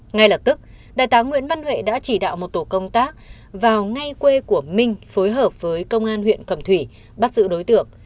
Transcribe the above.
ngay lập tức đại tá nguyễn văn huệ đã chỉ đạo một tổ công tác vào ngay quê của minh phối hợp với công an huyện cầm thủy bắt giữ đối tượng